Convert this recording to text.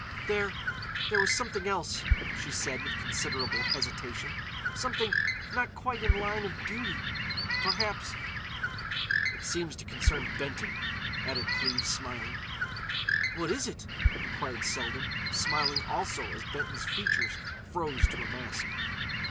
"There—there was something else," she said with considerable hesitation—"something not quite in line of duty—perhaps——" "It seems to concern Benton," added Cleves, smiling. "What is it?" inquired Selden, smiling also as Benton's features froze to a mask.